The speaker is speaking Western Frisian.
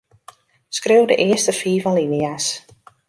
Skriuw de earste fiif alinea's.